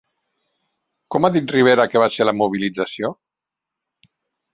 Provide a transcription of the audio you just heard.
Com ha dit Rivera que va ser la mobilització?